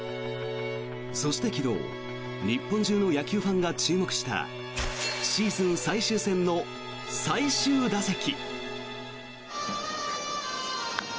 そして、昨日日本中の野球ファンが注目したシーズン最終戦の最終打席。